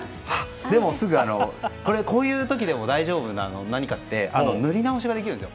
すぐ、こういう時でも大丈夫な何かって塗り直しができるんです。